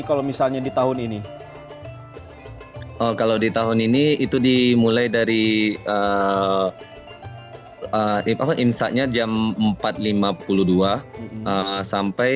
kalau misalnya di tahun ini kalau di tahun ini itu dimulai dari insanya jam empat lima puluh dua sampai